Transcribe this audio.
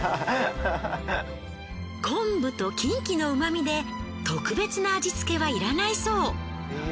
昆布とキンキのうま味で特別な味付けはいらないそう。